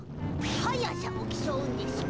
速さをきそうんでしゅか。